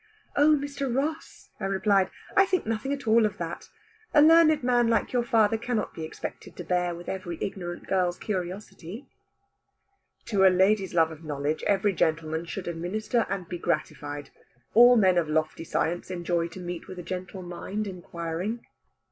"Oh, Mr. Ross," I replied, "I think nothing at all of that. A learned man like your father cannot be expected to bear with every ignorant girl's curiosity." "To a lady's love of knowledge every gentleman should administer and be gratified. All men of lofty science enjoy to meet with a gentle mind inquiring."